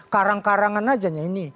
karang karangan aja ini